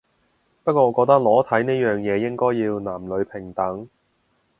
不過我覺得裸體呢樣嘢應該要男女平等